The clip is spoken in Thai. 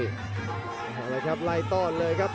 ขึ้นมาเลยครับไล่ต้นเลยครับ